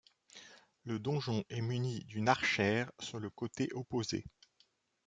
Le donjon est muni d'une archère sur le côté opposé.